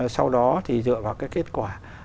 sau đó thì dựa vào cái kết quả